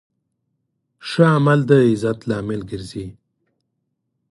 ښه عمل د عزت لامل ګرځي.